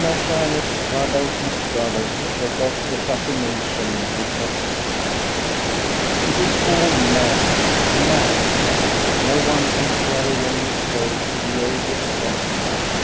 Anna Stjamhok struggles and struggles to shake off the fascination which has seized her. It is all madness, madness. No one can swear away his soul to the odious tempter.